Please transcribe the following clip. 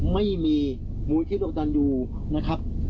ไม่มีมูลนิธิต้องการอยู่นะครับ